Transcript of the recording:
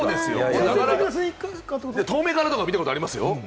遠目からとか見たことありますよ。